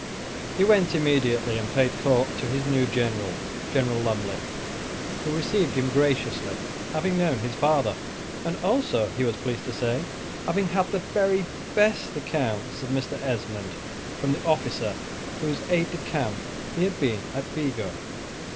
He went immediately and paid his court to his new general, General Lumley, who received him graciously, having known his father, and also, he was pleased to say, having had the very best accounts of Mr. Esmond from the officer whose aide de camp he had been at Vigo.